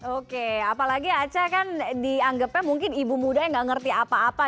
oke apalagi aca kan dianggapnya mungkin ibu muda yang gak ngerti apa apa